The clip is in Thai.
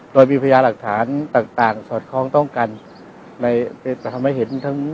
โดยมีพยาหลักฐานต่างต่างสอดคล้องต้องกันในจะทำให้เห็นทั้ง